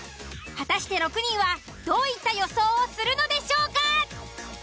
果たして６人はどういった予想をするのでしょうか？